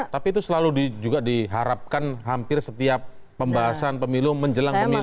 tapi itu selalu juga diharapkan hampir setiap pembahasan pemilu menjelang pemilu